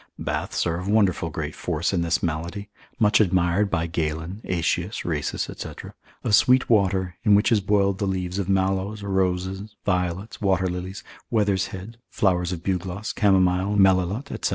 Baths are of wonderful great force in this malady, much admired by Galen, Aetius, Rhasis, &c., of sweet water, in which is boiled the leaves of mallows, roses, violets, water lilies, wether's head, flowers of bugloss, camomile, melilot, &c.